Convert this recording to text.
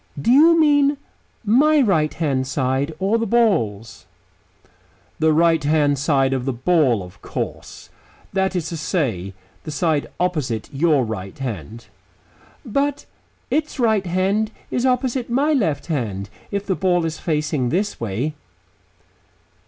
Do you mean my right hand side or the ball's?" "The right hand side of the ball, of course; that is to say, the side opposite your right hand." "But its right hand side is opposite my left hand, if the ball is facing this way."